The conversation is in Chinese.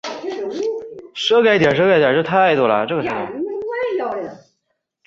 兰氏三强蟹为大眼蟹科三强蟹属的动物。